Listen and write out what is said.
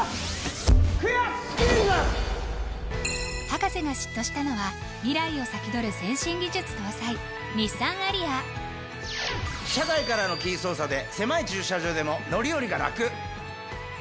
博士が嫉妬したのは未来を先取る先進技術搭載日産アリア車外からのキー操作で狭い駐車場でも乗り降りがラク！